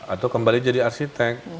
atau kembali jadi arsitek